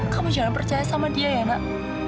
kamu jangan percaya sama dia ya nak